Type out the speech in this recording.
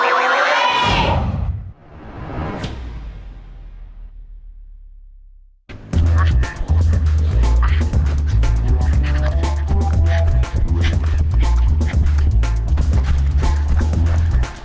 โอ้โฮ